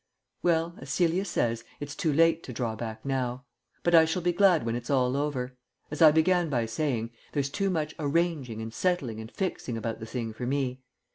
..... Well, as Celia says, it's too late to draw back now. But I shall be glad when it's all over. As I began by saying, there's too much "arranging" and "settling" and "fixing" about the thing for me.